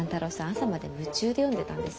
朝まで夢中で読んでたんです。